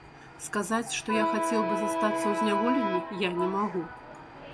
Сказаць, што я хацеў бы застацца ў зняволенні, я не магу.